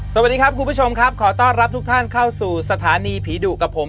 สวัสดีครับคุณผู้ชมครับขอต้อนรับทุกท่านเข้าสู่สถานีผีดุกับผม